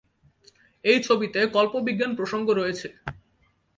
এই ছবিতে কল্পবিজ্ঞান প্রসঙ্গ রয়েছে।